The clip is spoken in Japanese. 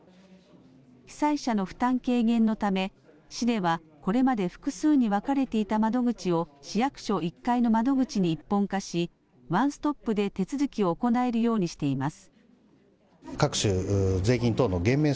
被災者の負担軽減のため、市ではこれまで複数に分かれていた窓口を市役所１階の窓口に一本化し、ワンストップで手続きを行えるようにしています。